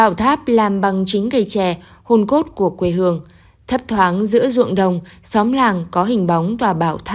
ông nguyễn thành vũ phó chủ tịch ủy ban nhân dân huyện triệu phong cho biết